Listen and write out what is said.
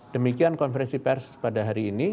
demikian konferensi pers pada hari ini